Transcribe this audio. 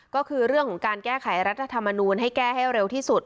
ก็คือเรื่องของการแก้ไขรัฐธรรมนูลให้แก้ให้เร็วที่สุด